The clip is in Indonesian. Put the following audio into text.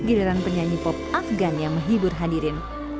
giliran penyanyi pop afgan yang menghibur hadirin